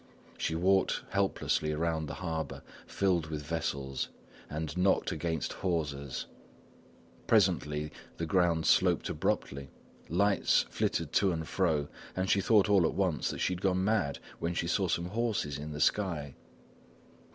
She walked helplessly around the harbour filled with vessels, and knocked against hawsers. Presently the ground sloped abruptly, lights flittered to and fro, and she thought all at once that she had gone mad when she saw some horses in the sky.